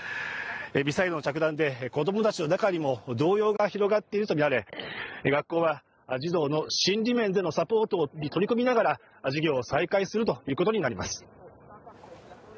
ミサイルの着弾で子供たちの中にも動揺が広がっているとみられ学校は児童の心理面でのサポートに取り組みながら、授業を再開するということになります。